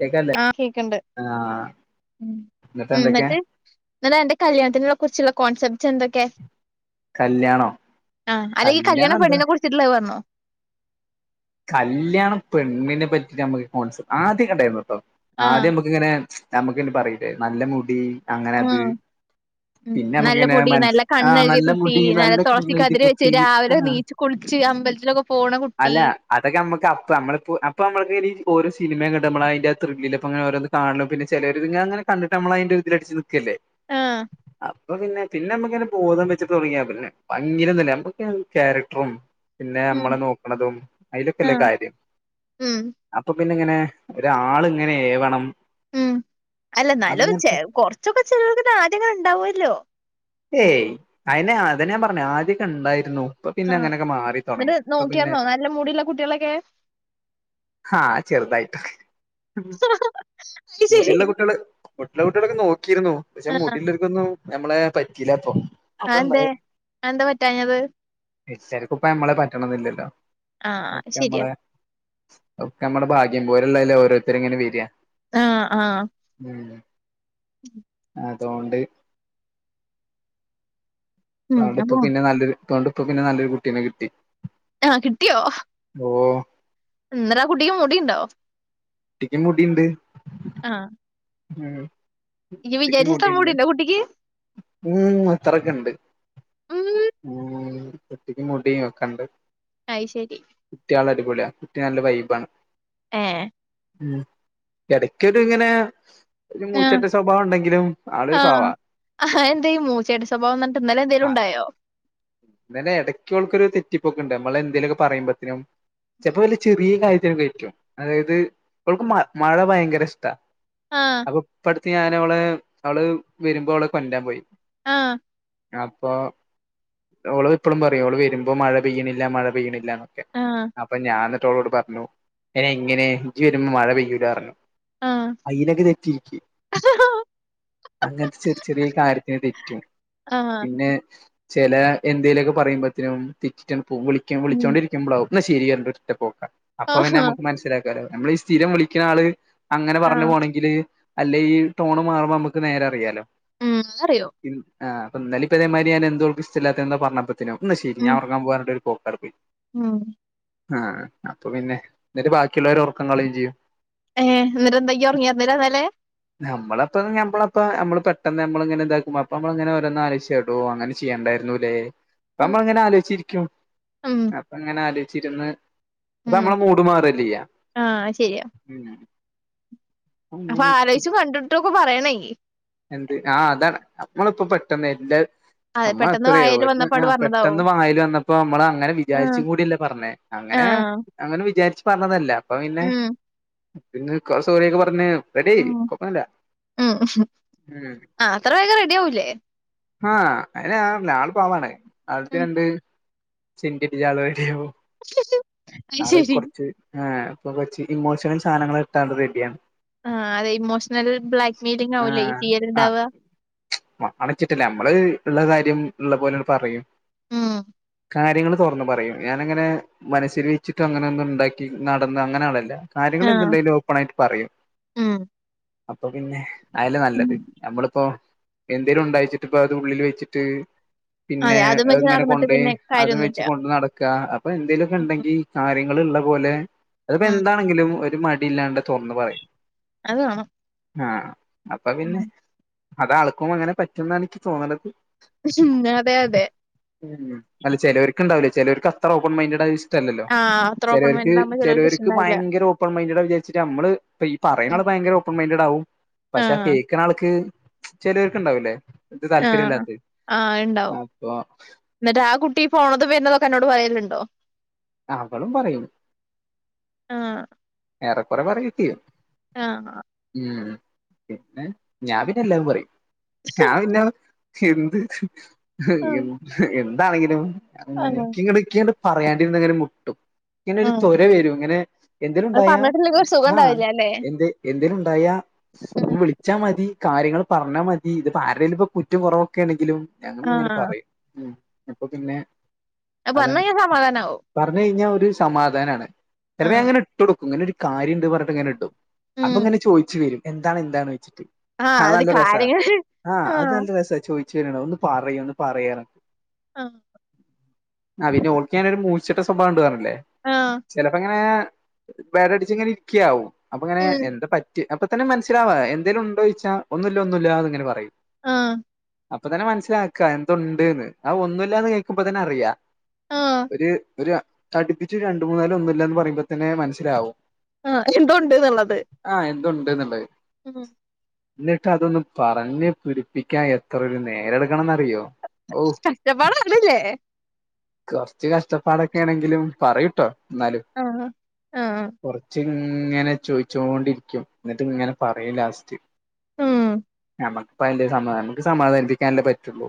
കേക്കല്ലേ ആ കേക്കണ്ട് ആഹ് മ് എന്നിട്ട് എന്തൊക്കെയാ ന്നട്ട് എന്നാ അന്റെ കല്യാണ ത്തിനെ കുറിച്ചുള്ള കോൺസെപ്റ്റ്സ് എന്തൊക്കെ കല്യാണോ ആഹ് അല്ലെ ഈ കല്യാണ കല്യാണം എന്താ പെണിനെ കുറിച്ചിട്ടുള്ള പറഞ്ഞോ കല്യാണം പെണ്ണിനെ പറ്റി നമുക്ക് കോൺസെ ആദ്യം ഒക്കെ ഉണ്ടായിരുന്നുട്ടോ ആഹ് ആദ്യം നമുക്ക് ഇങ്ങനെ നമ്മുക്ക പറയില്ലേ നല്ല മുടി അങ്ങനെ ത് ഉം നല്ല പൊടി നല്ല കണ്ണഴുകിയ നല്ല കുട്ടി മുടി നല്ല കണ്ണെഴുതി തുളസിക്കതിരി വെച്ച് കുട്ടി രാവിലെ ആഹ് നീച്ചു കുളിച്ച് അമ്പലത്തിലൊക്കെ പോണ കുട്ടി അല്ല അതൊക്കെ നമക്ക് അപ്പൊ മ്മള് ഓരോ സിനിമ കണ്ടിട്ട് ഒരു ത്രില്ലിൽ അപ്പൊ ഓരോന്ന് കാണും പിന്നെ ചെലർ ഇങ്ങ അങ്ങന കണ്ടിട്ട്മ്മ അയിൻ്റ ഇതട് ച്ച് ആഹ് അപ്പൊ പിന്നെ പിന്നെ നമ്മക്ക്ങ്ങ ബോധം വെച്ചിട്ട് തുടങ്ങിയ പിന്നെ ഭയങ്കര ന ക്യാരക്ടറും പിന്നെ ഉം നമ്മളെ നോക്ക അതും അതിലൊക്കെല്ലേ ആഹ് കാര്യം ഉം അപ്പൊ പിന്ന ഇങ്ങനെ ഒരാൾ ഇങ്ങനെ വണം ഉം അല്ല എന്നാലും കൊറച്ചൊക്കെ ചിലവർക്ക് കാര്യങ്ങളുണ്ടാവുവല്ലോ ഏയ് അയനെ അതന്നെ ഞാൻ പറഞ്ഞു ആദ്യ കണ്ടായിരുന്നു പ്പൊ പിന്നെ ആഹ് അങ്ങനൊക്കെ മാറി തൊടങ്ങി ന്നട്ട് ഇപ്പൊ പിന്നെ നോക്കിയാർന്നോ നല്ല മുടിള്ള കുട്ടികളൊക്കെ ആഹ് ചെറുതായിട്ട് അയ്ശരി മുടില്ല കുട്ടികള് മുടില്ല കുട്ടികളൊക്കെ നോക്കിയിരുന്നു പക്ഷെ ആഹ് മുടി ന്നും നമ്മളെ പറ്റില പ്പൊ ആ എന്തേ ആ എന്താ പറ്റാഞ്ഞത് ചചെലപ്പോ ഇപ്പ നമ്മളെ പറ്റണ ആഹ് എന്നില്ലല്ലോക്കെ ശരിയാ നമ്മളെ ഒക്കെ നമ്മടെ ഭാഗ്യം പോലള്ളല്ലേ ഓരോരുത്ത ർ ഇങ്ങനെ വര്യ ആ ആ ഉം അതൊണ്ട് ഉം. അതോണ്ടിപ്പോ അപ്പം അതോണ്ടിപ്പോ പിന്നെ നല്ലൊരു കുട്ടീനെ കിട്ടി ആ കിട്ടിയോ ഓ ന്നട്ട് ആ കുട്ടിക്ക് മുടിണ്ടോ കുട്ടിക്ക് മുടിണ്ട് ആ ഉം നി കുട്ടിക്ക് വിചാരിച്ച അത്ര മുടിയുണ്ട് മുടിണ്ട കുട്ടിക്ക് ഉം അത്രൊക്കെ ഉണ്ട് ഉം. ഉം കുട്ടിക്ക് മുടിയോക്കെണ്ട് അയ്ഷരി കുട്യാൾ അടിപൊളിയ കുട്ടി നല്ല വൈബാ ഏയ് ഉം എടക്കൊരു ഇങ്ങനെ ഒരു ആഹ്. മൂച്ചട്ട സ്വഭാവം ഉണ്ടെങ്കിലും ആളൊരു പാവാ അ ആഹ്‌ എന്തേ മൂചേട്ട സ്വഭാവംന്നർഞ്ഞിട്ട് ഇന്നലെ ആ, എന്തേലുംണ്ടായോ? ഇന്നലെ എടെയ്ക്കോൾക്കൊര് തെറ്റിപ്പോക്ക്ണ്ട് അമ്മെളെന്തേലോക്കെ പറയ്മ്പത്തിനും ചെൽപ്പോ വല്ല ചെറീ കാര്യത്തിനൊക്കേയ്രിക്കും അതായത് ഓൾക്ക് മ മഴ ഭയെങ്കെര ഇഷ്ടാ ആഹ് ഒപ്പടുത്ത് ഞൻ അവാളേ അവള് വരുമ്പോ അവളെ കൊണ്ടരാൻ പോയി! ആഹ്‌ അപ്പൊ ഓള് എപ്പളും പറയും ഓള് വരുമ്പോ മഴ പെയ്യണില്ല മഴ പെയ്യണി ല്ലന്നൊക്കെ ആഹ്. അപ്പൊ ഞാൻ ന്നട്ട് ഓളോട് പറഞ്ഞു അഹ്ങ്ങനെ ഇജ് വരുമ്പോ മഴ പെയ്യൂലർഞ്ഞു ആഹ്. [unintelligible] അങ്ങൻത്തെ ചെറി ചെറ്യേ കാര്യെത്തിന് തെറ്റും ആഹ്. പിന്നേ ചെല എന്തേലോക്കെ പറയുമ്പോതിനും തെറ്റിറ്റൊക്കേപോവും വിളിക്ക ഉം. വിളിച്ചോണ്ടിരിക്ക കുമ്പളകും ന്നശരി ന്നർഞ്ഞിട്ട് ഒറ്റ പോക ആഹാ. അപ്പൊന്നെമ്മക്ക് മനസ്സിലാക്കാ കാരം നമ്മള് ഈ സ്ഥിരം വിളിക്ക്ണാള് അങ്ങനെ പറഞ്ഞ് ആഹ്. പോണെങ്കില് അല്ലെ ഈ ട്ടോണ് മാറുമ്പോമ്മക്ക് നേരറിയാലോ, ഉം അത് അറിയാേ ഇൻ ആഹ് ഇന്നലിപ്പതേമാതിരി ഞാൻ എന്തോ ഓൾക് ഇഷ്ടല്ലത്ത എന്തോ പറഞ്ഞപ്പോ ത്തിനും ന്നാ ശെരി ഉം. ഞാ ഒറെങ്ങാൻ പോവാന്നർഞ്ഞിട്ടാെര് പോക്കാണ്ട് പോയ് ഉം ആഹ്‌ അപ്പ പിന്നെ ന്നിട്ട് ബാക്കിള്ളോരെ ഒർക്കം കളയും ചെയ്യും ഏ ന്നട്ടന്താ ഇയ്യ്ഒർങ്ങിയന്ന ന്നലെ ഞമ്മളപ്പത് ഞമ്മളപ്പ നമ്മള് പെട്ടന്ന് ഞമ്മളഇങ്ങനെതാക്കുമ്പ അപ്പമ്മള്ങ്ങനെ ഓരോന്ന് ആലോചിച് കേട്ക്കും ടോ അങ്ങെനെ ചെയ്യെണ്ടായ്‌ര്ന്നുലേ ഉം. അപ്പമ്മങ്ങനെ ആലോയ് ച്ചിരിക്കും ഉം. അപ്പങ്ങനെ ആലോയ്ചിരുന്ന്, ഉം. അപ്പമ്മള മൂട് മാറല്ലേയ്യ ആഹ് അത് ശരിയാ. ഉം അപ്പൊ അങ്ങനെ ഇരിക്കും ആലോച്ചു കണ്ടിട്ടൊക്കെ പറയണേ എന്ത് ആഹ് അതാണ് അപ്പളുപ്പ പെട്ടെന്ന് എല്ല അത് പെട്ടെന്ന് അമ്മത്രയോ വായേല് വന്നപ്പോ അങ്ങട് പറഞ്ഞതാവും. പെട്ടെന്ന് വായല് വന്നപ്പോ അമ്മള് അങ്ങനെ വിചാരിച്ചു ആഹ്. കൂടില്ല പറഞ്ഞേ അങ്ങനെ ആഹ്. അങ്ങനെ വിചാരിച്ച് പർഞ്ഞതല്ലാ അപ്പൊ പിന്നെ ഉം. പിന്നൊര് കൊ സോറ്യൊക്കെ പർഞ്ഞ് റെഡ്യായി ഉം. കൊപ്പാെന്നുല്ലാ ഉം. ഉം ആ അത്ര വേഗം റെഡിയാവൂലേ? ആഹ് അതെന്നെ ഞാ പർഞ്ഞേ ആള് പാവാണ് ആൾക്ക് ഉം. രണ്ട് ചിന്തി [unintelligible] അത് ആള് ശരി. കൊർച്ച് ആഹ് പ്പൊ കൊർച് ഇമോഷണൽ സാധനങ്ങളിട്ടാ ആള് റെഡിയാണ് ആഹ് അതേ ഇമോഷണൽ ബ്ലാക്ക്മെയിലിംങ്ങാവുലേ ഈ ചെയ്യെല്ണ്ടാവാ വച്ചിട്ടല്ല മ്മള് ഇള്ള കാര്യം ഇള്ള പോലെ പറയും ഉം കാര്യങ്ങൾ തുറന്ന് പറയും ഞാനങ്ങനെ മനസ്സില് വെച്ചിട്ട് അങ്ങനെ ഒന്നും ഉണ്ടാക്കി നടന്ന് അങ്ങനെആളല്ല ആ. കാര്യങ്ങൾ എന്ത്‌ണ്ടായിലും ഓപ്പൺ ആയിട്ട് പറയും ഉം. അപ്പൊ പിന്നെ അല്ലേ ഉം. നല്ലത് ഞമ്മളിപ്പോ? എന്തേലുംണ്ടായിച്ചിട്ട്പ്പ അത് ഉള്ളില് വെച്ചിട്ട് പിന്നെ അതെ അതും വെച്ച് ങ്ങനെ നടന്നിട്ട് കൊണ്ടോയി പിന്നെ അത് കാര്യൊന്നുല്ല. വെച്ച് കൊണ്ട് നടക്ക പ്പൊ ഉം. ന്തെലോക്കെണ്ടങ്കി കാര്യങ്ങൾ ള്ള പോലെ അതിപ്പോ ഉം. ന്താണെങ്കിലും ഒരു മടില്ലാണ്ട് തോർന്ന് പറയും അതുവേണം ആഹ് അപ്പൊ പിന്നെ അതാൾക്കും അങ്ങനെ പറ്റുംന്നാണ് യ്ക്ക് തോന്ന്ണെത് കുശും അതേ അതേ ഉം അല്ല ചേലോർക്ക്ണ്ടാവൂല്ല ചിലോർക്ക് അത്ര ഓപ്പൺ മൈൻഡ ല്ലല്ലോ ആ അത്ര ഓപ്പൺ ചെലോർക്ക് മൈൻഡഡ് ആവുമ്പോ ചെലോർക്ക് ഇഷ്ടണ്ടാവില്ല. ഭയങ്കര ഒ പ്പൺ മൈന്റെഡാ വിചാരിച്ചിട്ട് അമ്മള് ഇപ്പ ഈ പറയ്ണ ഉം. ആള് ഭയങ്കര ഓപ്പൺ മൈന്റഡാവും പക്ഷെ ആ കേക്ക്ണാൾക്ക് ചെലോല്ക്ക്ണ്ടാവൂലെ ഇത് ആ. താല്പര്യ ഇല്ലാത്തേ അപ്പൊ ഇന്നട്ട് ആ കുട്ടി പോണതും വര്ന്നതൊക്കെ അന്നോട് പറയല്ണ്ടോ അവളും പറയും ആഹ് ഏറെ കൊറെ പറയൊക്കെയും ആഹ് ഉം പിന്നെ ഞാൻ പിന്നെ എല്ലാവരും പറയും ഞാൻ പിന്നെ എന്ത് എന്താണെങ്കിലും ആ. [unintelligible] പറയാണ്ടിരുന്നങ്ങനെ മുട്ടും ഇങ്ങനെ ഒരു തൊര വരും ഇങ്ങനെ അവ് പറഞ്ഞിട്ടില്ലെങ്കി ഒരു സുഖംണ്ടാവില്ലല്ലേ ന്തേ എന്തേലുണ്ടായാ ഒന്ന് വിളിച്ചാൽ മതി കാര്യങ്ങള് പറഞ്ഞാൽ മതി ഇതിപ്പ ആരുടെങ്കിലും ഇപ്പ കുറ്റം കുറവൊക്കൊണെങ്കിലും ഞാനും ഇങ്ങനെ പറയും ഉം അപ്പൊ പിന്നെ അപ്പ പറഞ്ഞു അതാണ് കഴിഞ്ഞ സമാധാനമാവും പറഞ്ഞു കഴിഞ്ഞാൽ ഒരു സമാധാനമാണ് ചിലപ്പോ ഞാൻ അങ്ങനെ ഇട്ട് കൊടുക്കും ഇങ്ങനെ ഒരു കാര്യം ഉണ്ട് പറഞ്ഞിട്ട് ഇങ്ങനെ ഇടും അപ്പൊങ്ങനെ ചോദിച്ചു വരും എന്താണ് എന്താന്ണ് വെച്ചിട്ട്. അത് നല്ല രസാ കാര്യങ്ങള് ആഹ് അത് നല്ല രസ ചോയിച്ച് വര്ണേ ഒന്ന് പറയ് ഒന്ന് പറയ് ആഹ് ആഹ് പിന്നെ ഓൾക്ക് ഞാനൊരു മൂശട്ട സ്വഭാവണ്ട്റ്ഞ്ഞ്ലേ ചെലപ്പങ്ങനെ വേറടിച്ച് ഇങ്ങനെ ഇരിക്ക്യാവും അപ്പൊ ഇങ്ങനെ എന്താ പ അപ്പ തന്നെ മനസ്സിലാവാ എന്തേലും ഉണ്ടോന്ന് ചോദിച്ച ഒന്നുമില്ല ഒന്നുമില്ലആന്നിങ്ങനെ പറയും ആഹ് അപ്പൊ തന്നെ മനസ്സിലാക്കാ എന്തുണ്ട്ന്ന് അഹ് ഒന്നുമില്ലന്ന് കേക്കുമ്പ തന്നെ അറിയാ ഒരു ഒരു അടുപ്പിച്ച് രണ്ടു മൂന്നാലും ഒന്നുമില്ലന്ന് പറയുമ്പോ തന്നെ മനസ്സിലാവും ആഹ് എന്തോണ്ട്ന്ന്ള്ളത്. ആഹ് എന്തുണ്ട് എന്നുള്ളത് ഉം എന്നിട്ടതൊന്ന് പറഞ്ഞ് പിടിപ്പിക്കാൻ എത്രൊരു നേരട്ക്കണന്നറിയോ ഒ കഷ്ടപാട് ആണില്ലേ കൊറച്ച് കഷ്ടപ്പാടൊക്കൊണെങ്കിലും പറയുട്ടോ എന്നാലും ആഹ് കൊറച്ച് ഇങ്ങനെ ചോയിച്ചോണ്ടിരിക്കും ഇന്നെട്ട്ങ്ങനെ പറയും ലാസ്റ്റ് ഉം അപ്പ നമുക്ക് സമാധാനപ്പിക്കാനല്ലേ പറ്റുള്ളു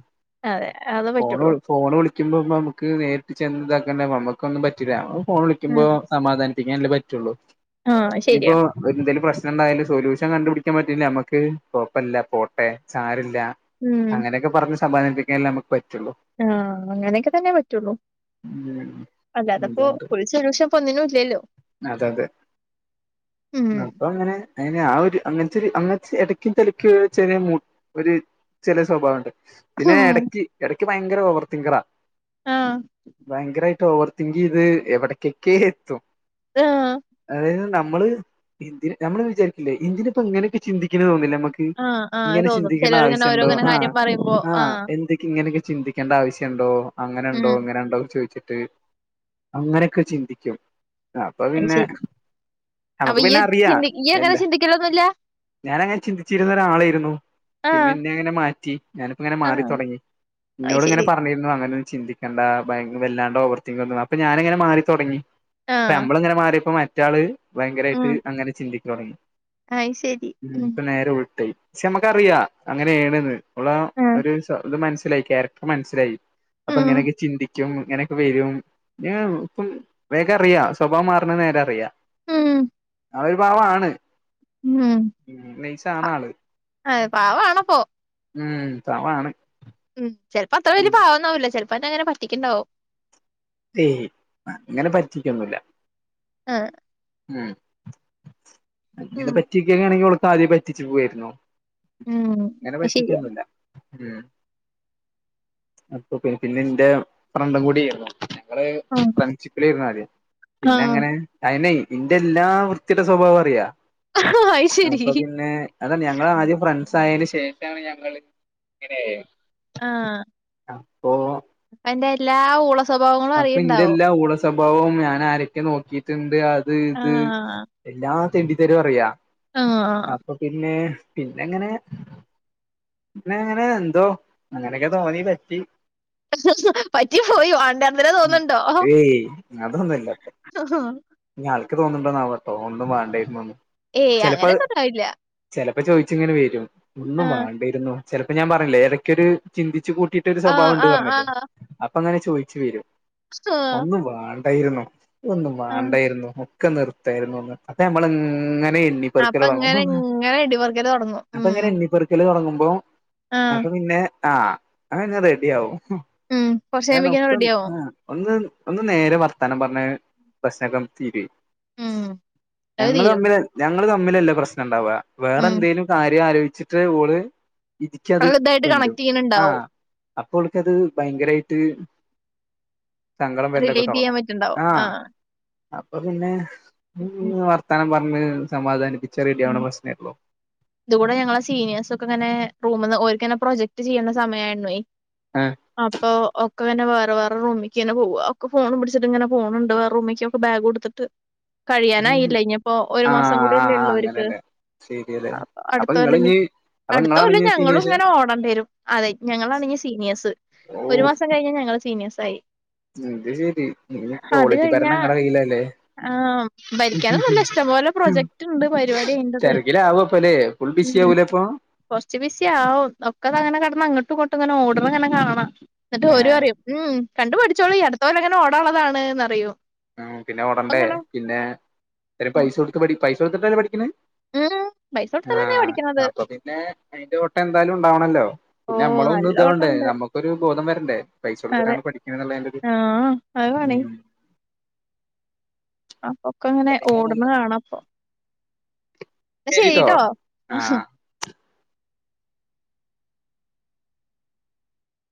അതെ. അതേ ഫോൺ പറ്റുള്ളൂ. വിളി വിളിക്ക്മ്പോ നമുക്ക് നേരിട്ട് ചെന്ന് ഇതാക്കണ്ട നമ്മക്കൊന്നും പറ്റില്ല ഫോൺ വിളിക്കുമ്പോ സമാധാനം പിക്കാനല്ലേ പറ്റൊള്ളൂ ആ! ശരിയാ. ഇനിയിപ്പൊ ഒര് എന്തേലും പ്രശ്നണ്ടായാല് സൊല്യൂഷൻ കണ്ടുപിടിക്കാൻ പറ്റില്ലേ നമക്ക് കൊഴപ്പല്ല പോട്ടെ സാരല്ല അങ്ങനെയൊക്കെ പറഞ്ഞ് സമാധാനിപ്പിക്കാനല്ലേ നമക്ക് പറ്റൊള്ളൂ. ആഹ് അങ്ങനെയൊക്കെ തന്നെ പറ്റൊള്ളൂ ഉം അല്ലാതപ്പോ അതുകൊണ്ട് ഫുൾ സൊല്യൂഷൻ ഇപ്പോ ഒന്നിനും ഇല്ലല്ലോ അപ്പങ്ങനെ അങ്ങനെ ആ ഒരു അങ്ങനത്തൊര് അങ്ങനത്തെ എടക്കും തലയ്ക്കൊര് ചെറിയ മൂ ഒര് ചെറിയ സ്വഭാവം ഉണ്ട് പിന്നെ ഹും. ഇടയ്ക്ക് ഇടക്ക് ഭയങ്കര ഓവർ തിങ്കറാ ആഹ് ഭയങ്കരായിട്ട് ഓവർത്തിങ്കെയ്ത് എവിട്ക്കെക്കെ എത്തും. ആഹ് അതായത് നമ്മള് എന്തിന് നമ്മള് വിചാരിക്കില്ലേ എന്തിന് ഇപ്പങ്ങനെക്കെ ചിന്തിക്ക്ണേന്ന് തോന്നില്ലേ നമ ആ! ആ! ഇങ്ങനെ തോന്നും. ചിന്തിക്കണ്ട ചിലരിങ്ങനെ ആവശ്യണ്ടോ ഓരോങ്ങനെ ആഹ് കാര്യം പറയുമ്പോ. ആ! ആഹ് എന്തൊക്കെ ഇങ്ങനെയൊക്കെ ചിന്തിക്കേണ്ട ആവശ്യം ഉണ്ടോ അങ്ങനണ്ടോ ഇങ്ങനെണ്ടോ ചോയ്ച്ചിട്ട് അങ്ങനെയൊക്കെ ചിന്തിക്കും അപ്പൊ അത് പിന്നെ ശരി. അപ്പൊ നമുക്ക് പിന്നെ ഇയ്യ് അറിയാ ചിന്തി ഇയ്യ് ങ്ങനെ അല്ല ചിന്തിക്കലൊന്നുമല്ല ഞാനങ്ങനെ ചിന്തിച്ചിരുന്ന ഒരാളായിരുന്നു പിന്നെ ആഹ് ഇന്നെ അങ്ങനെ മാറ്റി ഞാനിപ്പ ഇങ്ങനെ മാറി ആഹ് തുടങ്ങി അയ് ന്നോട് ഇങ്ങെ ശരി പറഞ്ഞി അങ്ങനൊ ഒന്നും ചിന്തിക്കണ്ട. ഭയങ്ക വല്ലാണ്ട് ഓവർത്തി ഒന്നും അപ്പൊ ഞാനങ്ങെനെ മാറി തോടങ്ങി. പ്പ ആഹ് മ്ളങ്ങനെ മാറിയപ്പോ മറ്റാള് ഭയങ്കരമയിട്ട് ഉം അങ്ങനെ ചിന്തിക്ക തുടങ്ങി. അയ് ശരി മ്മ് ഉം പ്പം നേരെ ഉൾട്ടായി. പക്ഷെ നമുക്കറിയാ അങ്ങനെയണെന്ന് ഓളാ. ആഹ് ഒരു ഇത് മനസ്സിലായി ക്യാരക്ടർ മനസ്സിലായി. അപ്പ ഉം ഇങ്ങനൊക്കേ ചിന്തി ക്കും ഇങ്ങനെയൊക്കെ വരും ഇങ്ങനെള്ളൂ ഇപ്പം വേഗം അറിയാം സ്വഭാവം മാറണ നേരെ അറിയാം ഉം ആളൊരു പാവാണ് ഉം മം നെയ്സാണ് ആള്. അഹ് പാവാണപ്പോ മം പാവാണ്. ഉം ചിലപ്പോ അത്ര വല്യയ പാവംന്നാവില്ല ചിലപ്പോന്നെങ്ങനെ പറ്റിക്ണ്ടാവും. ഏയ് ഏയ് അങ്ങനെ പറ്റിക്കൊന്നുല്ല ആഹ്. മം അങ്ങനെ ഉം പറ്റി കണെങ്കിൽ ഓൾക്ക് ആദ്യേ പറ്റിച്ചു പോവായിരുന്നോ? ഉം ങ്ങനെ അത് ശരിയാ പറ്റിക്കോന്നുല്ല. മം അപ്പ പിന്നെ ന്റെ ഫ്രണ്ടും കൂടി ഏര്ന്നു. ഞങ്ങള് ആഹ് ഫ്രണ്ട്ഷിപ്പിലെര്ന്നു ആദ്യം പിന്നെ ആഹ് ങ്ങനെ അയിനെ ഇന്റെ എല്ലാ വൃത്തിയെട്ട സ്വഭാവും അറിയാം അയ് ശരി അപ്പൊ പിന്നെ അതാ ഞങ്ങള് ആദ്യം ഫ്രണ്ട്സ് ആയന്റെ ശേഷാണ് ഞങ്ങള് ഇങ്ങനായെ ആഹ്. അപ്പൊ അന്റെ എല്ലാ ഊള സ്വഭാവങ്ങളും അപ്പൊ ഇന്റെ അറിയ്ണ്ടാവും എല്ലാ ഊള ന്റെ സ്വഭാവം ഞാൻ ആരൊക്കെ നോക്കിട്ട്ണ്ട് അത് ഇത് ആഹ് എല്ലാ തേണ്ടിത്തരും അറിയാ ആഹ് അപ്പോ പിന്നെ പിന്നെ ങ്ങനെ പിന്നെ അങ്ങനെ എന്തോ അങ്ങനെയൊക്കെ തോന്നി പറ്റി. പറ്റി പോയി വേണ്ടാ മം ഏയ് അതൊന്നല്ല. ആഹ ഞ് ആൾക്ക് തോന്നുണ്ടോ ആവോട്ടോ ഒന്നും വേണ്ടാരുന്നുന്ന്. ഏയ് അങ്ങനെന്നുംണ്ടവില്ല ചിലപ്പോ ചോദിച്ചിങ്ങനെ വേരും. ഒന്നും ആഹ് വേണ്ടെരുന്നു ചിലപ്പോ ഞാൻ പറഞ്ഞില്ലേ ഏതൊക്കെയൊ ഒരു ചിന്തിച്ചു കൂട്ടിട്ട് ട്ടൊരു ആഹ് സ്വഭാവണ്ട് ആഹ് പറഞ്ഞില്ലേ ആഹ് അപ്പൊങ്ങനെ ചോയിച്ചു വരും. ആഹ് ഒന്നും വേണ്ടായിരുന്നു ഒന്നും ആഹ് വേണ്ടായിന്നു. ക്കെ നിർത്തെര്ന്നു അപ്പ നമ്മൾ ഇങ്ങനെ എണ്ണി അപ്പൊ ഇങ്ങനെ പേറുകാലോടുങ്ങും ഇങ്ങനെ ഇടിപറിക്കല് തൊടങ്ങും ഉം അപ്പങ്ങനെ എണ്ണി പേർക്കി - ല് തോടങ്ങുമ്പോ ആഹ് അപ്പൊ പിന്നെ ആഹ് അ ആക്കേ റെഡി ആവും. ഉം കൊറച്ച് അങ്ങനെ കയ്യിമ്പക്കിനും ഒക്കെ റെഡിയാവും ആഹ് ഒന്ന് ഒന്ന് നേരെ വർത്താനം പറഞ്ഞ പ്രശ്നകം തീരുഎ ഉം അത് ഞങ്ങള് തീരും തമ്മില് ഞങ്ങള് തമ്മിലല്ല പ്രശ്നംണ്ടവാ വേറെ ഉം എന്തേലും കാര്യം ആലോചിച്ചിട്ട് ഓള് ഇത ക്ക് അത് ഇതായിട്ട് കൊണ്ടുരും കണക്ട് ചെയ്യണുണ്ടാവും ആഹ് അപ്പോൾക്കത് അത് ഭയങ്കരയിട്ട്. സങ്കടം വര് [unintelligible] റിലേറ്റ് ചെയ്യാൻ തുടങ്ങും പറ്റുണ്ടാവും ആഹ് അപ്പൊ പിന്നെ ഉം ഉം, വർത്താനം പറഞ്ഞ് സമാധാനിപ്പിച്ച റെഡി ആവണ പ്രശ്നേള്ളും ഇതൂടെ ഞങ്ങളെ സീനിയേഴ്സൊക്കെങ്ങനെ റൂമ്ന്ന് ഓൽക്കെന്നെ പ്രൊജക്ട് ചെയ്യുന്ന സമയായിരുന്നേയ്. ആഹ് അപ്പൊ ഒക്കെങ്ങനെ വേറെ വേറെ റൂമിയ്ക്കെന്നെ പോവാ. ഒക്കെ ഫോണും പിടിച്ചിട്ട്ങ്ങനെ പോണുണ്ട് വേറെ റൂമിയ്ക്കൊക്കെ ബാഗു എടുത്തി ട്ട് കഴിയാനായില്ലെ ഇഞ്ഞ്പ്പോ ഒരു മാസം കൂടിയല്ലേ ഉള്ളൂ വര് ന്നെ ശരിയല്ലേ അപ്പൊ ങ്ങള് ഇനി ഇഞ് അടുത്ത കൊല്ലം ഞങ്ങളും ഇങ്ങനെ ഓടേണ്ടി വരും. അതെ ഞങ്ങളാണ് ഇനി സീനിയേഴ്സ് ഒരു ഓഹ് മാസം കഴിഞ്ഞ ഞങ്ങള് സീനിയേഴ്‌സായി. അത് ശരി, ഇനി കോളേജ് കഴിഞ്ഞാ ഭരണം നിങ്ങടെ കയ്യിലല്ലേ ആഹ് ഭരിക്കാനൊന്നല്ല ഇഷ്ടംപോലെ പ്രൊജക്റ്റ്ണ്ട് പരിപാടി അയിന്റത് തിരക്കിലവോ അപ്പലെ ഫുൾ ബിസി ആവൂലേ അപ്പൊ കൊർച്ച് ബിസി ആവും. ഒക്കതങ്ങനെ കെടന്ന് അങ്ങട്ടു ഇങ്ങട്ടുങ്ങനെ ഓട്ണ ഇങ്ങനെ കാണാ, എന്നിട്ട് ഓര് പറയും ഉം കണ്ട് പഠിച്ചോളീ, അടുത്ത കൊല്ലങ്ങനെ ഓടെ ന്നതാണ്... ന്നറയും. ഉം പിന്നെ ഓടണ്ടേ, പിന്നെ ഇവര് പൈസ കൊടുത്ത് പഠി പൈസ കൊടുത്തിട്ടല്ലേ പഠിക്ക്ണ്? ഉം പൈസ കൊടുത്തിട്ടന്നെ ആഹ് പഠിക്കണത് അപ്പൊ പിന്നെ അയിന്റെ ഓട്ടം എന്തായാലും ഉണ്ടാവണല്ലോ ഓ പിന്നെ നമ്മള ഒന്നും നല്ല ഇത് കൊണ്ടേ ഓട്ടണ്ട് നമ്മു ക്കൊരു ബോധം വരണ്ടേ. പൈസ അതെ കൊടുത്തിട്ടാണ് പഠിക്ക്ണ എന്ന്ള്ളേന്റൊരു ആഹ് അത് പണി അപ്പൊ ക്കെങ്ങനെ ഓട്ണെ പിന്നെ കാണപ്പൊ. ശരിട്ടോ ആ ആഹ്